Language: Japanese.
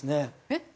えっ？